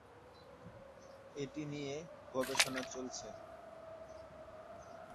এটি নিয়ে গবেষণা চলছে।